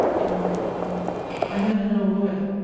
in Norfolke. I heard an old lawyer